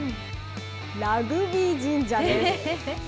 ラグビー神社です。